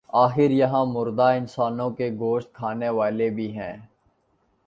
آخر یہاں مردہ انسانوں کے گوشت کھانے والے بھی ہیں۔